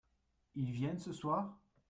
Ils viennent ce soir ?